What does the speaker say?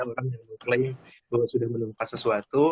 karena orang yang mengklaim bahwa sudah menempat sesuatu